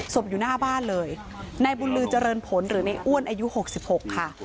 อยู่หน้าบ้านเลยนายบุญลือเจริญผลหรือในอ้วนอายุ๖๖ค่ะ